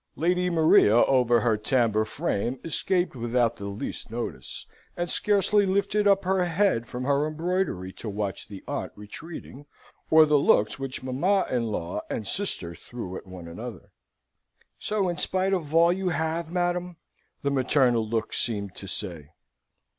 Lady Maria over her tambour frame escaped without the least notice, and scarcely lifted up her head from her embroidery, to watch the aunt retreating, or the looks which mamma in law and sister threw at one another. "So, in spite of all, you have, madam?" the maternal looks seemed to say.